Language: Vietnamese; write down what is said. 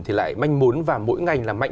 thì lại manh mốn và mỗi ngành làm mạnh